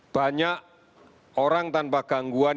banyak orang tanpa gangguan